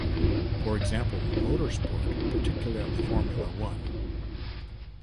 For example, motorsport, particularly Formula One.